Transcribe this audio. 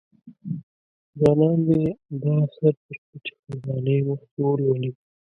ځوانان دي دا اثر تر پټې خزانې مخکې ولولي.